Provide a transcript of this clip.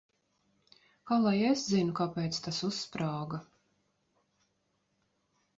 Kā lai es zinu, kāpēc tas uzsprāga?